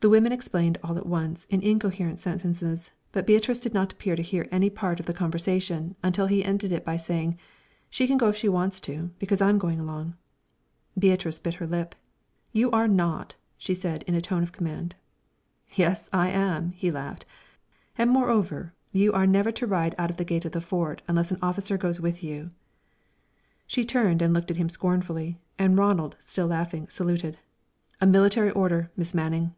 The women explained all at once, in incoherent sentences; but Beatrice did not appear to hear any part of the conversation until he ended it by saying, "She can go if she wants to, because I'm going along." Beatrice bit her lip. "You are not," she said, in a tone of command. "Yes, I am," he laughed; "and, moreover, you are never to ride out of the gate of the Fort unless an officer goes with you." She turned and looked at him scornfully, and Ronald, still laughing, saluted. "A military order, Miss Manning."